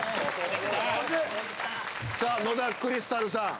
さあ野田クリスタルさん